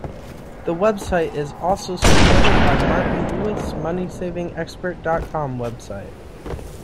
The website is also supported by Martin Lewis' MoneySavingExpert.com website.